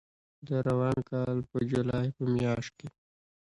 د روان کال په جولای په میاشت کې